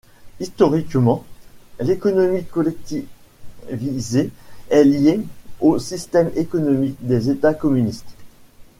Historiquement, l'économie collectivisée est liée aux systèmes économiques des États communistes.